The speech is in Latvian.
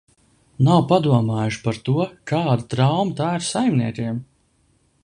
Nav padomājuši par to, kāda trauma tā ir saimniekam.